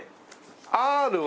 Ｒは？